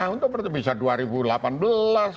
untuk bertarung lah